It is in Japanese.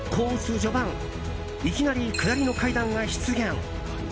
序盤いきなり下りの階段が出現。